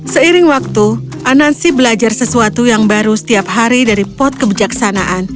seiring waktu anansi belajar sesuatu yang baru setiap hari dari pot kebijaksanaan